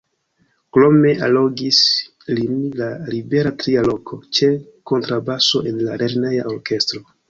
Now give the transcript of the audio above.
Krome allogis lin la libera tria loko ĉe kontrabaso en la lerneja orkestro.